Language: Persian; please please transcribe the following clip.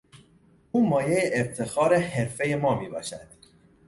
او مایهی افتخار حرفهی ما میباشد.